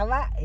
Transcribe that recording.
hah adik ray